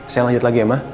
saya lanjut lagi ya ma